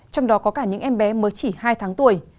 trong đó có cả những em bé mới chỉ hai tháng tuổi